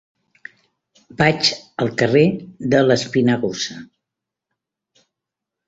Vaig al carrer de l'Espinagosa.